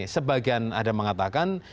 sebagian ada mengatakan